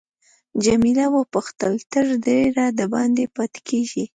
جميله وپوښتل تر ډېره دباندې پاتې کیږې.